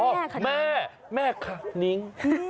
อ๋อแม่แม่หนิง